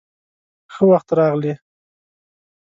_ښه وخت راغلې.